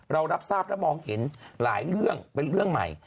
เรารับทราบและมองเห็นหลายเรื่องเป็นเรื่องใหม่